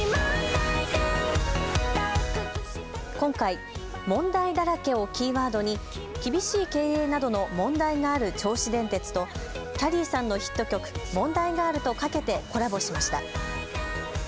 今回、問題だらけをキーワードに厳しい経営などの問題がある銚子電鉄ときゃりーさんのヒット曲、もんだいガールとかけてコラボしました。